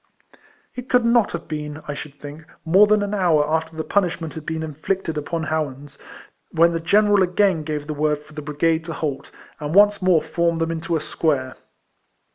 It could not have been, I should think, more than an hour after the punishment had been inflicted upon Howans, when the general again gave the word for the brigade to halt, and once more formed them into square.